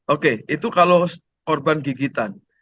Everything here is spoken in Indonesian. oke itu kalau korban gigitan